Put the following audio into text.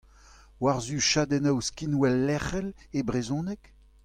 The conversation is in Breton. War-zu chadennoù skinwel lecʼhel e brezhoneg ?